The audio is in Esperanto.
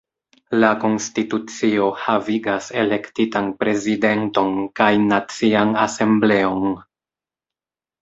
La konstitucio havigas elektitan Prezidenton kaj Nacian Asembleon.